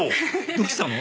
どうしたの？